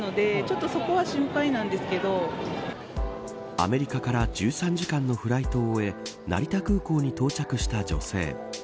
アメリカから１３時間のフライトを終え成田空港に到着した女性。